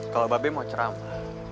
kalau mbak b mau cerahkannya